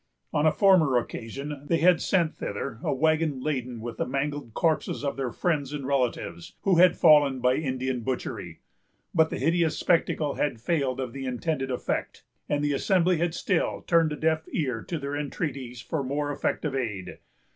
On a former occasion, they had sent thither a wagon laden with the mangled corpses of their friends and relatives, who had fallen by Indian butchery; but the hideous spectacle had failed of the intended effect, and the Assembly had still turned a deaf ear to their entreaties for more effective aid.